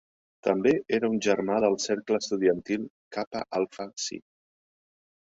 També era un germà del cercle estudiantil Kappa Alpha Psi.